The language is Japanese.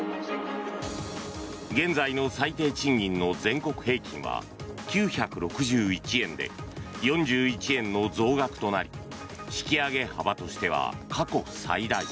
現在の最低賃金の全国平均は９６１円で４１円の増額となり引き上げ幅としては過去最大。